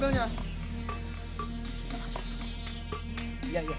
diva tinggal siapa